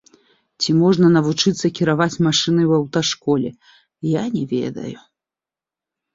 Ці можна навучыцца кіраваць машынай ў аўташколе, я не ведаю.